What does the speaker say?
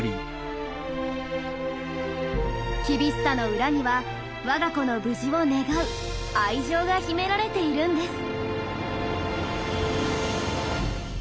厳しさの裏には我が子の無事を願う愛情が秘められているんです。